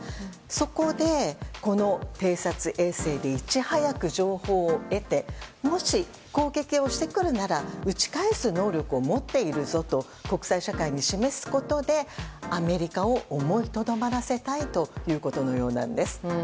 そこで、この偵察衛星でいち早く情報を得てもし、攻撃をしてくるなら撃ち返す能力を持っているぞと国際社会に示すことでアメリカを思いとどまらせたいということのようなんです。